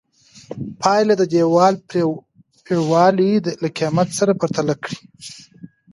پایله یې د دیوال پرېړوالي له قېمت سره پرتله کړئ.